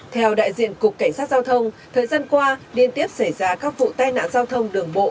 theo đại diện cục cảnh sát giao thông thời gian qua liên tiếp xảy ra các vụ tai nạn giao thông đường bộ